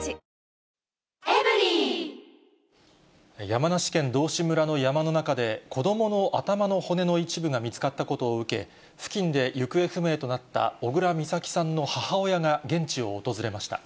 山梨県道志村の山の中で、子どもの頭の骨の一部が見つかったことを受け、付近で行方不明となった小倉美咲さんの母親が現地を訪れました。